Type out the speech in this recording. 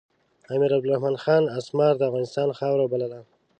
امیر عبدالرحمن خان اسمار د افغانستان خاوره بلله.